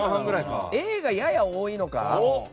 Ａがやや多いのか。